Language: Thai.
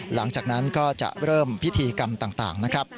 หลังจากนั้นก็จะเริ่มพิธีกรรมต่างนะครับ